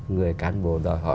người cán bộ đòi họ